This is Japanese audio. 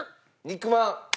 肉まん。